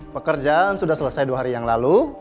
pekerjaan sudah selesai dua hari yang lalu